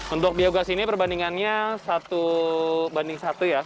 untuk biogas ini perbandingannya satu banding satu ya